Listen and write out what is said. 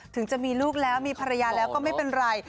ถึงจะมีลูกแล้วมีภรรยาแล้วก็ไม่เป็นไร